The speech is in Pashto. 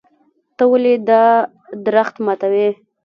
ته ولې دا درخت ماتوې.